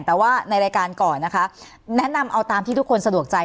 แต่ว่าในรายการก่อนนะคะแนะนำเอาตามที่ทุกคนสะดวกใจ